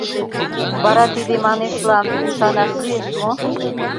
Вара тиде «манешлан» ӱшанаш лиеш мо?